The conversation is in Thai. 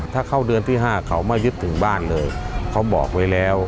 ถ้าเข้าเดือนที่๕เขามายึดถึงบ้านเลยเขาบอกไว้แล้ว